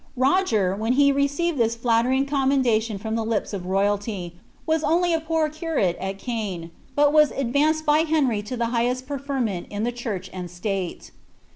Roger, when he received this flattering commendation from the lips of royalty, was only a poor curate at Caen, but was advanced by Henry to the highest preferment in the chureh and state.